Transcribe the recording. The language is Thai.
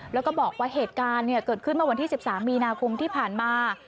แล้วก็บอกว่าเหตุการณ์เกิดขึ้นเมื่อวันที่๑๓มีนาคมที่ผ่านมา